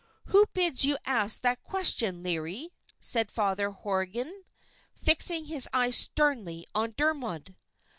"Who bids you ask that question, Leary?" said Father Horrigan, fixing his eyes sternly on Dermod.